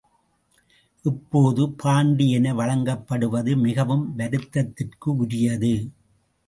இப்போது பாண்டி என வழங்கப்படுவது மிகவும் வருத்தத்திற்கு உரியது.